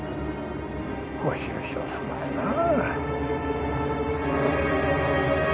ご愁傷さまやなあ。